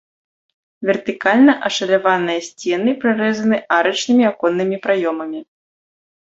Вертыкальна ашаляваныя сцены прарэзаны арачнымі аконнымі праёмамі.